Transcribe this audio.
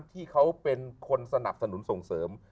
ที่เขาเป็นคนสนับสนุนส่งเสริม